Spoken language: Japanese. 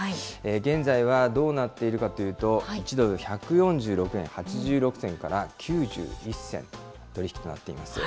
現在はどうなっているかというと、１ドル１４６円８６銭から９１銭の取り引きとなっています。